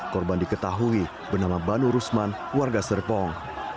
korban diketahui bernama banu rusman warga serpong